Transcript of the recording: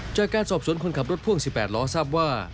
จากการสอบสวนคนขับรถพ่วง๑๘ล้อทราบว่า